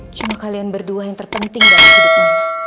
cuma kalian berdua yang terpenting dalam hidup mama